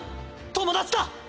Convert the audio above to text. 友達だ！